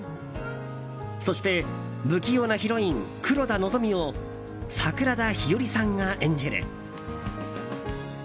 そして不器用なヒロイン黒田希美を桜田ひよりさんが演じる。